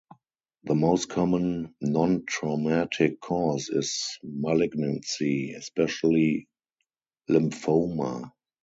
The most common nontraumatic cause is malignancy, especially lymphoma.